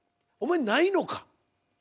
お前ないのか？